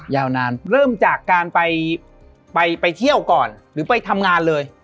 ยาวนานเริ่มจากการไปเที่ยวก่อนหรือไปทำงานเลย